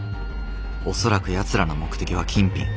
恐らくやつらの目的は金品。